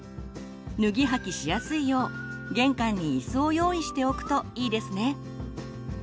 脱ぎ履きしやすいよう玄関にいすを用意しておくといいですね。